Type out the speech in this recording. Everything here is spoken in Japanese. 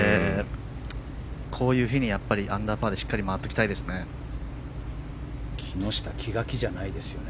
こういう日にアンダーパーでしっかり回っていきたいですね。